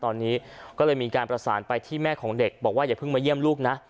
ตอนนี้ก็เลยมีการประสานไปที่แม่ของเด็กบอกว่าอย่าเพิ่งมาเยี่ยมลูกนะ